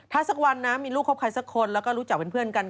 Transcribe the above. ถ้าสักวันนะมีลูกคบใครสักคนแล้วก็รู้จักเป็นเพื่อนกัน